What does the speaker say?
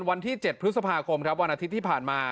วันที่๗พฤษภาคมครับวันอาทิตย์ที่ผ่านมา